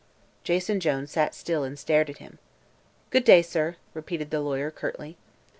Jason Jones sat still and stared at him. "Good day, sir!" repeated the lawyer, curtly.